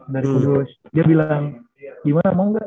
dari kudus dia bilang gimana mau gak